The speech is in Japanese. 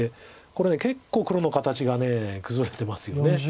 これ結構黒の形が崩れてますよね。